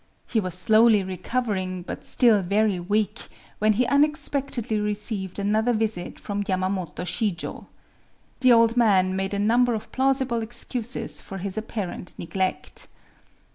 He was slowly recovering, but still very weak, when he unexpectedly received another visit from Yamamoto Shijō. The old man made a number of plausible excuses for his apparent neglect.